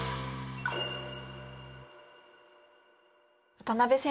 渡辺先生。